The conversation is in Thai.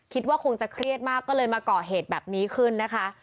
คิดว่าคงจะเครียดมากก็เลยมาก่อเหตุแบบนี้ขึ้นนะคะ